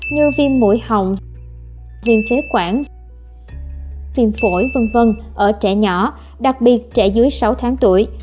như viêm mũi họng viêm phế quản viêm phổi v v ở trẻ nhỏ đặc biệt trẻ dưới sáu tháng tuổi